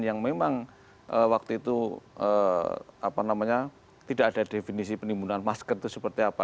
yang memang waktu itu tidak ada definisi penimbunan masker itu seperti apa